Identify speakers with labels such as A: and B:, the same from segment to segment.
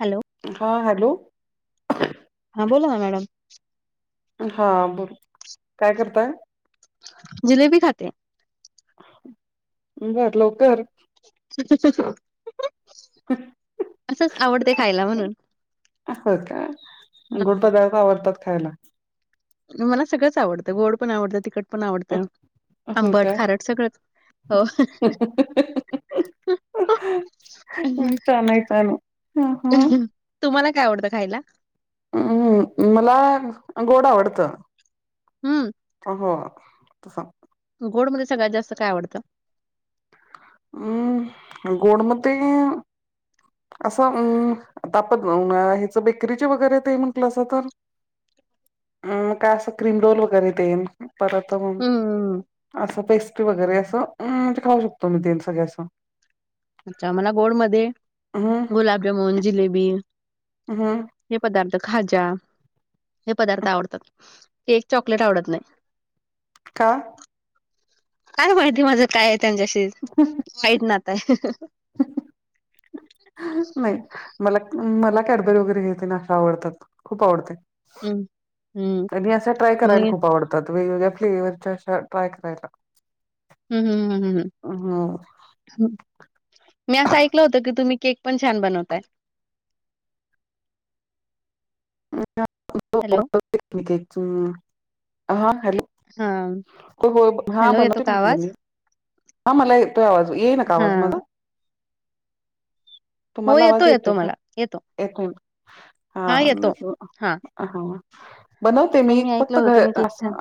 A: Hello.
B: हा hello.
A: हां बोला ना मॅडम.
B: हा बोल काय करताय?
A: जिलेबी खाते.
B: बर लवकर
A: असच आवडते खायला म्हणून.
B: अ होय का गोड पदार्थ आवडतात खायला?
A: मला सगळंच आवडतं गोड पण आवडतं, तिखट पण आवडतं,
B: हो
A: आंबट,
B: का
A: खारट सगळंच. हो
B: [unintelligible] छान आहे छान आहे आं हा.
A: तुम्हाला काय आवडतं खायला?
B: उम्म हम्म मला गोड आवडतं.
A: हम्म.
B: ओ हो तसा.
A: गोड मध्ये सगळ्यात जास्त काय आवडतं?
B: अम्म गोडमध्ये असं अम्म [unintelligible] म ह्याचं बेकरीचे वगैरे ते म्हटलं असं तर अम्म काय असं क्रीम रोल वगैरे तेन. परत मंग
A: हम्म
B: असं पेस्ट्री वगैरे असं उम्म म्हणजे खाऊ शकतो मी तेन सगळ्या असं.
A: अच्छा मला गोड मध्ये
B: हम्म
A: गुलाबजामुन, जिलेबी
B: हम्म.
A: हे पदार्थ खाज्या हे पदार्थ आवडतात केक, चॉकलेट आवडत नाही.
B: का
A: काय माहिती माझं काय आहे त्यांच्याशी वाईट नाता आहे.
B: ह नाही मला उम्म मला कॅडबरी वगैरे हेे तेन असं आवडतात खूप आवडते.
A: हम्म
B: आणि असा ट्राय करायला
A: मी
B: खूप आवड तात वेगवेगळे फ्लेव्हरच्या अशा ट्राय करायला.
A: हम्म हम्म हम्म हम्म. मी असं ऐकलं होतं की तुम्ही केक पण छान बनवताय. हॅलो.
B: [unintelligible] हा हॅलो!
A: हां,
B: हो हो हा
A: हॅलो येतो
B: बनवते
A: का
B: म्हटलं
A: आवाज?
B: मी. हा मला येतोय आवाज, येई ना का आवाज
A: हां,
B: माझा?
A: हो
B: तुम्हाला
A: येतो,
B: आवाज येतोय
A: येतो
B: का?
A: मला येतो.
B: येतय, हा
A: हां, येतो. हां.
B: हा. बनवते
A: नाही
B: मी फक्त
A: ऐकलं होतं
B: घर
A: तुम्ही केक
B: अस
A: छान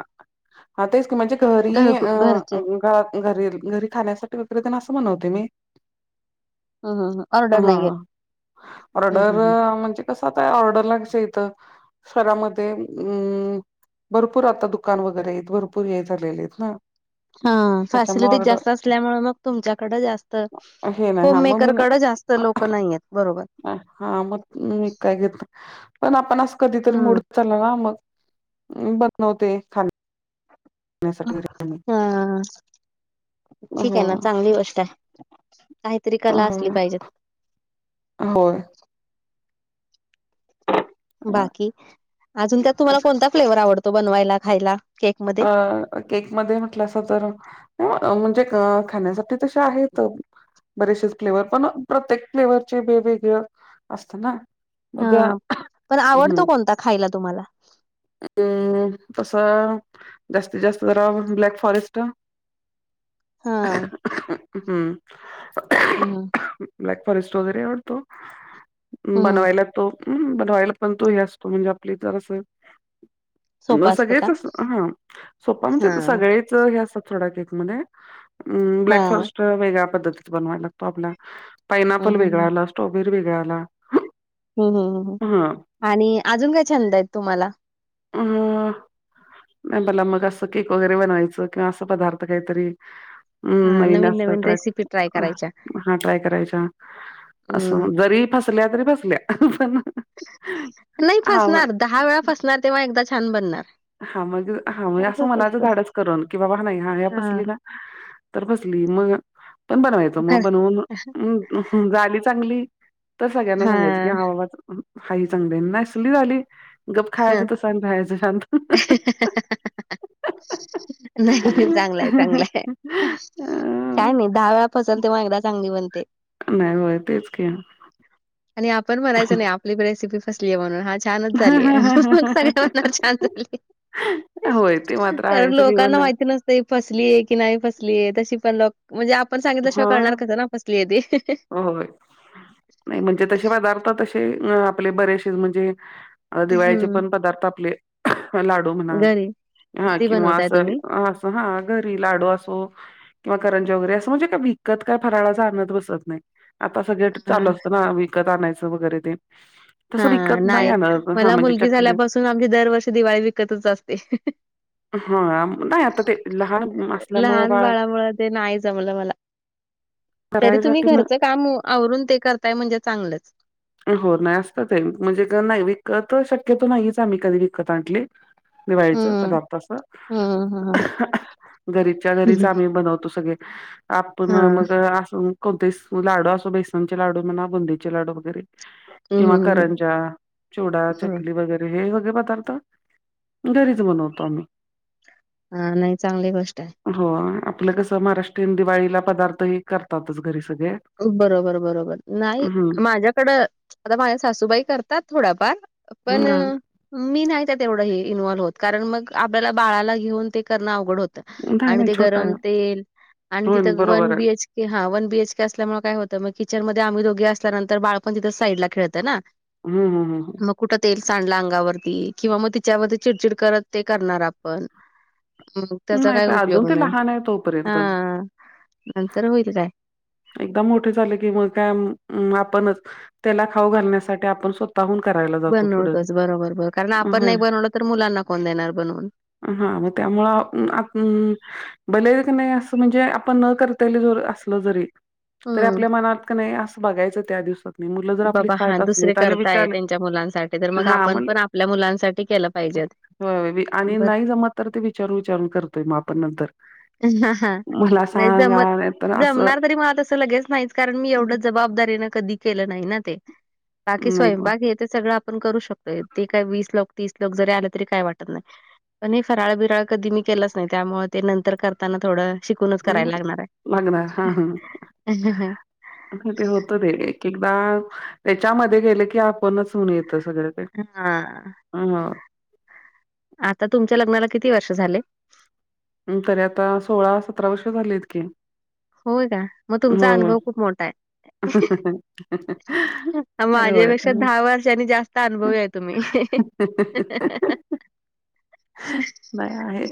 B: ह तेच की म्हणजे घरी
A: घरगु
B: अ
A: घरचे
B: घ घरील, घरी खाण्यासाठी वक्रेत ना असं बनवते मी.
A: हं, हं, हं. ऑर्डर
B: हा,
A: नाही घेत. हं,
B: ऑर्डर
A: हं, हं.
B: म्हणजे कस आता काय ऑर्डरला कसं येत शरामध्ये अम् भरपूर आता दुकान वगैरे आहेत भरपूर हे झालेले आहेत ना.
A: हा
B: त्याच्यामुळे
A: फॅसिलिटी
B: ऑर्डर
A: जास्त असल्यामुळे मग तुमच्याकडे जास्त
B: हे नाही
A: होम
B: हा मग मी
A: मेकरकडें जास्त लोक नाहीयेत बरोबर.
B: हा मग मी काय घेत पण आपण अस कधीतरी
A: हं.
B: मुड चला ना मग, बनवते खाली.
A: हा, ठीक
B: हो
A: आहे ना चांगली गोष्ट आहे. काहीतरी कला असली पाहिजेत.
B: होय.
A: बाकी अजून त्यात तुम्हाला कोणता फ्लेवर आवडतो बनवायला, खायला? केकमध्ये?
B: अ केक मध्ये म्हटलं अस तर म्हणजे खाण्यासाठी तसे आहेत बरेसेच फ्लेवर पण प्रत्येक फ्लेवरचे वेगवेगळे असतं ना. मग
A: हा, पण आवडतो कोणता खायला तुम्हाला?
B: अम् तस जास्तीत जास्त जरा ब्लॅक फॉरेस्ट.
A: हा.
B: हम्म. [unintelligible]
A: ह ह.
B: ब्लॅक फॉरेस्ट वगैरे आवडतो.
A: हं.
B: बनवायला तो बनवायला पण तो हे असतो म्हणजे आपली जर असं.
A: सोपा असतो
B: सगळेच
A: का?
B: असं- हा सोपा म्हणजे
A: हा.
B: सगळीच हे असतात थोडा केक मध्ये, अ
A: हा
B: ब्लॉक फॉरेस्ट वेगळ्या पद्धतीत बनवाय लागतो आपला
A: हम्म
B: पाइन‌एपल वेगळा
A: हम्म
B: आला, स्ट्रॉबेरी वेगळा आला.
A: हम् हम् ह,
B: हा
A: आणि अजून काय छंद आहेत तुम्हाला?
B: अ नाही मला मग असं केक वगैरे बनवायचं किंवा असं पदार्थ काहीतरी. हम्
A: हा
B: नवीन जास्त
A: रेसिपी ट्राय
B: ट्रॅक
A: करायच्या.
B: हा ट्राय करायचा
A: हम्म
B: असं जरी फसल्या तरी फसल्या पण.
A: नाही
B: हा म
A: फसणार दहा वेळा फसणार तेव्हा एकदा छान बनणार.
B: हा मग हा म्हणजे असं
A: असंच
B: मनाचं
A: असतं.
B: धाडस करुन की बाबा नाही हा या फसली ना तर फसली मग पण बनवायचं मग
A: खरं
B: बनवून् झाली चांगली, तर सगळ्यांना सांगायचं की हा बाबा हाई चांगली नसली झाली गप
A: हा
B: खायचं तस आणि राहायचं शांत.
A: [inaudible] नाही चांगलंय चांगलंय. काय नाही दहा वेळा फसल तेव्हा एकदा चांगली बनते.
B: नाही, होय तेच की.
A: आणि आपण बनायचं नाही आपली रेसिपी फसली आहे म्हणून हा छानच झालीय. मग सगळ म छान झाली,
B: होय, ते मात्र
A: कारण
B: आहेच किंवा
A: लोकांना
B: ना
A: माहिती नसत. फसली आहे की नाही फसलीय तशी पण लो म्हणजे आपण सांगितल्याशिवा करणार
B: हां,
A: कसं ना फसली आहे ते.
B: होय. नाही म्हणजे तसे पदार्थ तसे आपले बरेसे म्हणजे अ दिवाळीचे
A: हं.
B: पण पदार्थ आपले लाडू म्हणा,
A: घरी,
B: हा
A: घरी
B: किंवा
A: बनवताय तुम्ही?
B: असं हा घरी लाडू असो किंवा करंजा वगैरे अस म्हणजे का विकत काय फराळाच आणत बसत नाही, आता सगळे
A: अ,
B: चालू असत ना विकत आणायचं वगैरे ते.
A: हा
B: तसं विकत
A: नाही
B: आणत हां,
A: मला
B: म्हणजे
A: मुलगी
B: चकली
A: झाल्यापासून आमची दरवर्षी दिवाळी विकतच असते.
B: हा नाही आता ते लहान असल्यामुळ
A: लहान
B: बाळ
A: बाळामुळं ते नाही जमलं मला. तरी तुम्ही
B: करायसाठी
A: घरचं काम आवरून ते करताय, म्हणजे चांगलंच.
B: हो नाही असत ते म्हणजे नाही विकत शक्यतो नाहीच आम्ही कधी विकत आणली. दिवाळीचं
A: हं.
B: पदार्थ असं.
A: हं, हं, हं.
B: घरीच्या घरीच आम्ही बनवतो सगळे. आपण
A: हां.
B: मग अस कोणते लाडू असो, बेसनचे लाडू म्हणा, बुंदीचे लाडू वगैरे
A: हं,
B: किंवा
A: हं, हं.
B: करंजा, चुडा,
A: हं.
B: चकली, वगैरे हे एवढे पदार्थ घरीच बनवतो आम्ही.
A: हा नाही चांगली गोष्ट आहे.
B: हो, आपलं कसं महाराष्ट्रीयन दिवाळीला पदार्थ हे करतातच घरी सगळे.
A: बरोबर बरोबर नाही
B: हम्म
A: माझ्याकडं आता माझ्या सासूबाई करतात थोड्याफार. पण मी नाही त्यात एवढंही इन्व्हल्व्ह होत, कारण मग आपल्याला बाळाला घेऊन ते करणं अवघड होत.
B: नाही
A: आणि
B: नाही
A: ते
B: छोटा आहे
A: गरम तेल, आणि
B: होय
A: तिथं
B: बरोबर
A: वन
B: आहे
A: बीएच के हा- वन बीएच के असल्यामुळे काय होतं मग किचन मध्ये आम्ही दोघे असल्यानंतर बाळपण तिथं साईडला खेळतं ना.
B: हम, हम, हम.
A: मग कुठं तेल सांडला अंगावरती किंवा मग तिच्यावरती चिडचिड करत ते करणार आपण‌. मग त्याचा
B: नाही
A: काही
B: तर अजून
A: उपयोग
B: ते
A: नाही,
B: लहान आहे तोपर्यंत.
A: हा नंतर होईल काय
B: एकदम मोठे झाले की मग काय आपणच त्याला खाऊ घालण्यासाठी आपण स् स्वतःहून करायला जातो पुढं ते.
A: बनवतोच बरोबर बरो कारण आपण नाही
B: हं.
A: बनवलं तर मुलांना कोण देणार बनवून.
B: हा मग त्यामुंम बले नाही असं म्हणजे आपण न करता ज असलं जरी तरी
A: हम्म.
B: आपल्या मनात का नाही असं बघायचं त्या दिवसात.
A: बाबा हा दुसरे करताय त्यांच्या मुलांसाठी तर मग आपण पण आपल्या मुलांसाठी केल पाहिजेत.
B: आणि
A: बर
B: नाही जमत तर ते विचारून विचारून करतोय मग आपण नंतर.
A: हा, हा,
B: मला
A: नाही
B: सांगा
A: जमत
B: नाहीतर असं
A: जमणार तरी म तस लगेच नाही कारण मी एवढं जबाबदारीन कधी केलं नाही ना ते. बाकी
B: नाही
A: स्वयंपाक ये ते सगळं आपण करू शकतोय, ते काही वीस लोक तीस लोक जरी आले तरी काय वाटत नाही. पण हे फराळ बिराळ कधी मी केलाच नाही, त्यामु ते नंतर करताना थोडं शिकूनच
B: हं,
A: करायला लागणार आहे.
B: लागणार. हां, हां. ते होत ते एक एकदा त्याच्यामध्ये गेलं की आपणच होऊन येतं सगळं. ते.
A: हां.
B: ह हा
A: आता तुमच्या लग्नाला किती वर्ष झाले
B: तरी आता सोळा सतरा वर्ष झालेत की
A: होय काय म तुमचा
B: हो.
A: अनुभव खूप मोठा हाय
B: [unintelligible] नाही होय ते.
A: माझ्यापेक्षा दहा वर्षांनी जास्त अनुभवी हाय तुम्ही
B: [inaudible]
A: [inaudible]
B: बाय आहे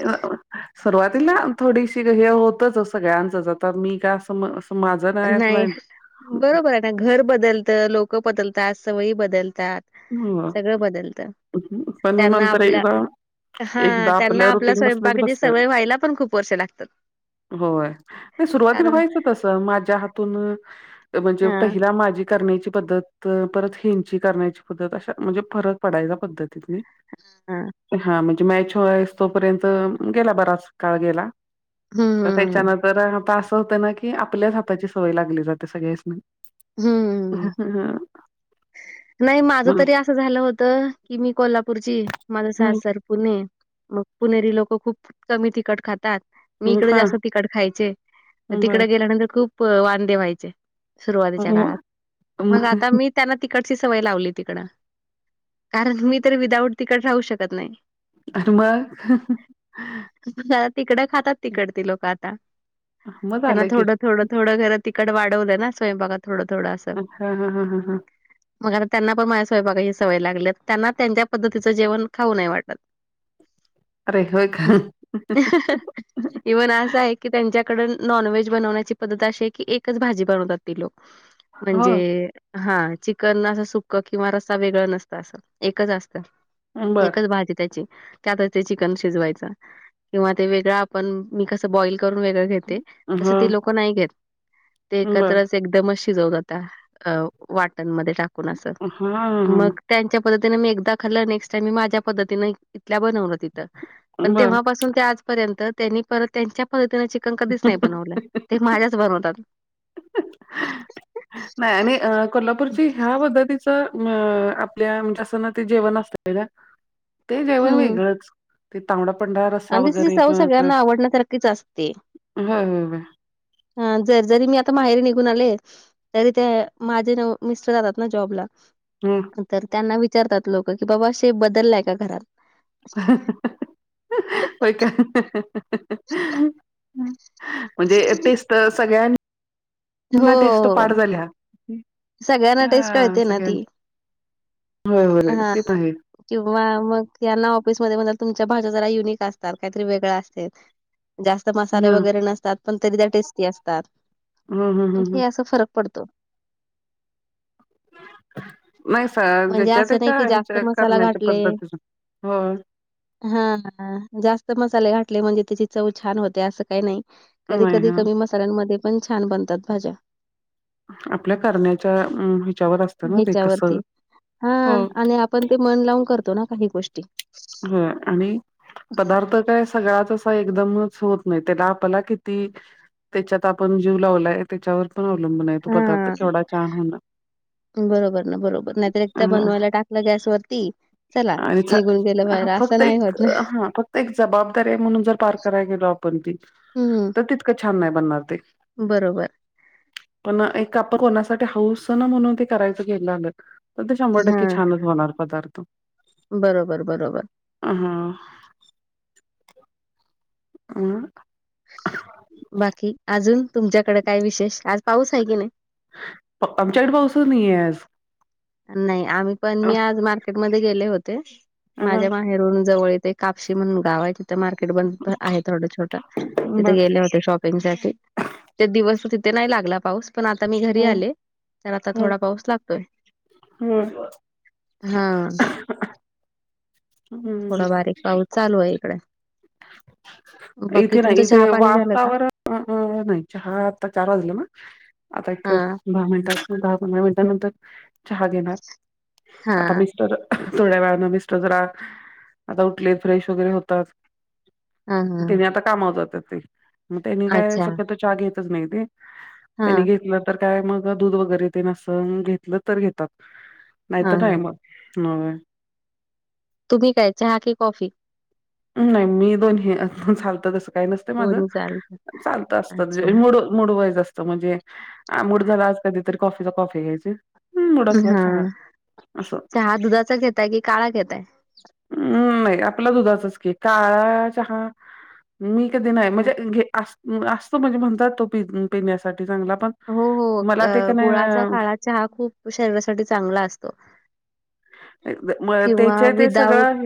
B: सुरवातीला थोडीशी हे होतच सगळ्यांचच आता मी काय अस माझ
A: नाही बरोबर हाय ना घर बदलतं लोक बदलतात सवयी बदलतात
B: हो.
A: सगळं बदलत
B: पण
A: त्यांना
B: नंतर
A: आपल
B: एकदा
A: हा
B: एकदा
A: त्यांना
B: आपलं
A: आपल्या
B: रुटीन बसलं की
A: स्वयंपाकाची
B: बसतय
A: सवय व्हायला पण खूप वर्ष लागतात
B: होय नाही सुरुवातीला
A: कारण
B: व्हायच तस माझ्या हातून म्हणजे
A: हा
B: पहिला माझी करण्याची पद्धत तर परत हिंची करण्याची पद्धत अशा म्हणजे फरक पडायचा पद्धतीतनी
A: हा
B: हा म्हणजे मॅच होयस तोपर्यंत गेला बराच काळ गेला तर
A: हम्म
B: त्याचानं तर आता असं होतं ना की आपल्याच हाताची सवय लागली जाते सगळ्यासनी
A: हम्म.
B: हू हू
A: नाही माझ तरी असं झालं होत की मी कोल्हापूरची माझं
B: हम्म
A: सासर पुणे मग पुणेरी लोक खूप कमी तिखट खातात मी इकड
B: हा
A: जास्त तिखट खायचे तिकड
B: बर.
A: गेल्यानंतर खूप वांदे व्हायचे सुरुवात तिच्या काळात मग आता मी त्यांना तिकटची सवय लावली तिकड कारण मी तर विदाऊट तिकट राहूच शकत नाही
B: आणि मग
A: तिकडं खातात तिकट ती लोक आता
B: म
A: त्यांना
B: झाल की
A: थोडं थोडं थोडं जरा तिकट वाढवलं ना स्वंयंपाकात थोड थोडं असं
B: अ् हा हा हा हा हा
A: मग आता त्यांना पण माझ्या स्वयंपाकाची सवय लागल्या त्यांना त्यांच्या पद्धतीचं जेवण खाऊ नाही वाटत
B: अरे होय का
A: इव्हन असं हाय की त्यांच्याकड नॉनव्हेज बनवण्याची पद्धत अशी हाय की एकच भाजी बनवतात ती लोक
B: हो
A: म्हणजे हा चिकन असं सुक्क किंवा रस्सा वेगळं नसत असं एकच असतं
B: बर.
A: एकच भाजी त्याची त्यातच ते चिकन शिजवायच किंवा ते वेगळ आपण मी कसं बॉईल करून वेगळ घेते तस ते
B: हा
A: लोक नाही घेत ते
B: बर
A: एकत्रच एकदमच शिजवतात अ वाटणमध्ये टाकून असं
B: हा
A: मग त्यांच्या पद्धतीन मी एकदा खाल्लं नेक्ट टाइम मी माझ्या पद्धतीन इथल्या बनवलं तिथं पण
B: हा बर.
A: तेव्हापासून ते आजपर्यंत त्यांनी परत त्यांच्या पद्धतीन चिकन कधीच नाही बनवलंय ते
B: नाही
A: माझ्याच बनवतात [inaudible]
B: नाही आणि कोल्हापूरची ह्या पद्धतीच अं आपल्या म्हणजे असं ना ते जेवण असत ते जेवण
A: हम्म.
B: वेगळंच ते तांबडा पांढरा रस्सा
A: आणि त्याची
B: वगैरे
A: चव
B: पण आता
A: सगळ्यांना आवडण्यासारखीच
B: होय होय होय
A: ह जर जरी मी आता माहेर निघून आले तरी ते माझे मिस्टर जातात ना जॉबला
B: हम
A: तर त्यांना विचारतात लोक की बाबा शेप बदललाय का घरात
B: हाहा होय का
A: [inaudible]
B: हं. म्हणजे तेच तर सगळ्या
A: हो,
B: ना टेस्ट
A: हो.
B: पाठ
A: हो.
B: झाल्या
A: सगळ्यांना टेस्ट
B: हं
A: कळते ना
B: सगळ्या
A: ती
B: होय होय
A: हां
B: ते पण आहे
A: किंवा मग यांना ऑफिसमध्ये म्हणतात तुमच्या भाषा जरा युनिक असतात काहीतरी वेगळ असते जास्त मसाले
B: हं,
A: वगैरे नसतात पण तरी त्या टेस्टी असतात
B: हं, हं, हं, हं.
A: हे अस फरक पडतो
B: [inaudible] नाही सह
A: म्हणजे
B: ज्याच्या
A: असं नाही
B: त्याच्या
A: की जास्त
B: ह्या
A: मसाला
B: करण्याच्या
A: घातले
B: पद्धतीचा हो
A: हां जास्त मसाले घाटले म्हणजे त्याची चव छान होते अस काही नाही कधी
B: नाही
A: कधी
B: हां.
A: कमी मसाल्यांमध्ये पण छान बनतात भाज्या
B: आपल्या करण्याच्या हेच्यावर असत ना ते कस
A: ह्याच्यावरती हां आणि आपण ते मन लावुन करतो ना काही गोष्टी
B: हं आणि पदार्थ काय सगळाच एकदमच होत नाही त्याला आपल्याला किती त्याच्यात आपण जीव लावलाय त्याच्यावर अवलंबुन आहे तो
A: हा
B: पदार्थ केवढा छान होणार.
A: बरोबर ना बरोबर तर एकदा
B: हां.
A: बनवायला टाक गॅस वरती
B: आणि च हा फक्त एक
A: होत ना.
B: हा फक्त एक जबाबदारी आहे म्हणुन जर पार करायला गेलो आपण ती
A: हं,
B: तर तितक छान नाही बनणार ते
A: बरोबर
B: पण एक आप कोणासाठी हाऊस ना म्हणुन ते करायच गेल आल तर ते शंभर टक्के
A: हां.
B: छानच होणार पदार्थ
A: बरोबर बरोबर
B: हां हं
A: बाकी अजुन तुमच्याकडे काय विशेष आज पाऊस आहे की नाही
B: आमच्याकडे पाऊस च नाही ‌आज
A: नाही आम्ही पण मी आज मार्केटमध्ये गेले होते
B: अ
A: माझ्या माहेरून जवळ ते कापशी म्हणुन गाव आहे तिथे मार्केट बनत आहे थोड छोट
B: बर.
A: तिथे गेले होते शॉप ते दिवस तिथे नाही लागला पाऊस पण आता मी घरी
B: हं
A: आले तर आता थोडा पाऊस लागतोय
B: हम
A: हां
B: हं
A: थोडा बारीक पाऊस चालु आहे इकडे बाकी
B: इथे
A: तुमच
B: नाही
A: चहा
B: इथे
A: पाणी झाल का
B: वातावरण नाही चहा आता चार वाजला ना आता एक
A: हा
B: दहा पंधरा मिनट त्यानंतर चहा घेणार
A: हा
B: आता मिस्टर थोड्या वेळा न मिस्टर जरा आता उठले फ्रेश वगैरे होतात
A: हा हा
B: त्यानी आता कामावर जातात ते मग त्यानी काय
A: अच्छा
B: शक्यतो चहा घेतच नाही ते
A: हा हा
B: त्यांनी घेतलं तर काय मग, दूध वगैरे तेन असं, घेतलं तर घेतात. नाही तर
A: हा
B: नाही म.
A: तुम्ही काय? चहा की कॉफी.
B: नाही मी दोन्ही असं चालत. तसं काही नसत माझं.
A: दोन्ही चालत
B: चालत असतं जे
A: अच्छा
B: मुड मूड व्हायज असतं. म्हणजे, मूड झाला आज कधीतर कॉफीचा, कॉफी घ्यायची. मूड असला
A: हा.
B: चहा असं
A: चहा दुधाचा घेताय की, काळा घेताय.
B: अम् नाही. आपला दुधाचच की. काळा चहा, मी कधी नाही.
A: हा.
B: म्हणजे घे अस- असतो, म्हणजे म्हणतात. तो पिन- पिण्यासाठी चांगला पण
A: हो, हो. क
B: मला ते का
A: गुळाचा
B: नाही
A: काळा चहा खूप, शरीरासाठी चांगला असतो.
B: ते म
A: किंवा
B: त्याचे ते
A: विदाऊट
B: सगळं,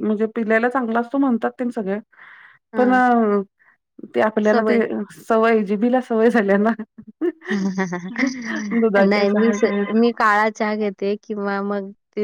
B: म्हणजे पिल्याला चांगला असतो, म्हणतात तेन सगळे.
A: हा
B: पण, ते आपल्याला ते,
A: सवय
B: सवय जिबीला सवय झाल्या ना. दुधाच्या
A: नाही, मी स
B: चहा
A: मी चहा घेते किंवा मग ते